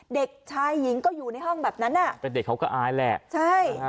เด็กชายหญิงก็อยู่ในห้องแบบนั้นอ่ะเป็นเด็กเขาก็อายแหละใช่ฮะ